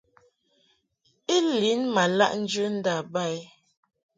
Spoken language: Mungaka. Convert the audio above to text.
I lin ma laʼ njɨ nda ba i.